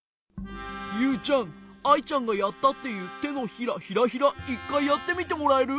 ユウちゃんアイちゃんがやったっていうてのひらヒラヒラ１かいやってみてもらえる？